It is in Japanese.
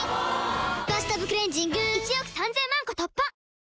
「バスタブクレンジング」１億３０００万個突破！